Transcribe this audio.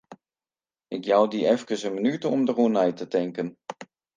Ik jou dy efkes in minút om dêroer nei te tinken.